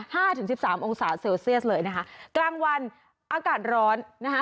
ถึงสิบสามองศาเซลเซียสเลยนะคะกลางวันอากาศร้อนนะคะ